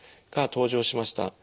が登場しました。